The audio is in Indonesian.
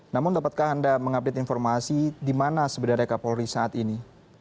namun dapatkah anda mengupdate informasi di mana sebenarnya kapolri saat ini